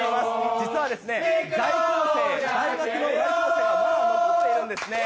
実は大学の在校生がまだ残っているんですね。